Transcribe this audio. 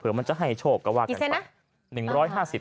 มันจะให้โชคก็ว่ากันไป